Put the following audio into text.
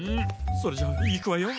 それじゃいくわよ。